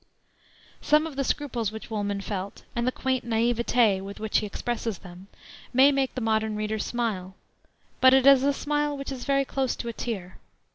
Some of the scruples which Woolman felt, and the quaint naïveté with which he expresses them, may make the modern reader smile but it is a smile which is very close to a tear.